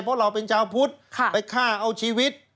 เพราะเราเป็นชาวพุทธไปฆ่าเอาชีวิต